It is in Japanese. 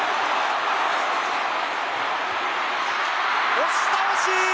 押し倒し！